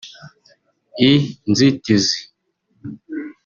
inzitizi